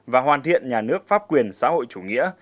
và hoàn thiện nhà nước pháp quyền xã hội chủ nghĩa